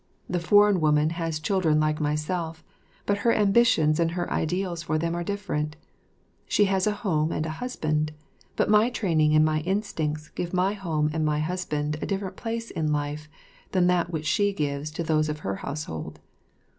The foreign woman has children like myself, but her ambitions and her ideals for them are different. She has a home and a husband, but my training and my instincts give my home and my husband a different place in life than that which she gives to those of her household.